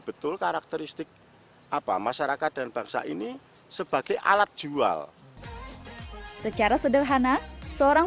betul karakteristik apa masyarakat dan bangsa ini sebagai alat jual secara sederhana seorang